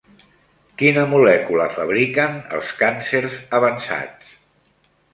Quina molècula fabriquen els càncers avançats?